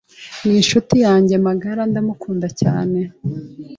ninshuti yanjye magara ndamukunda cyane